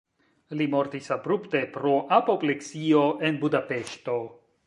Li mortis abrupte pro apopleksio en Budapeŝto.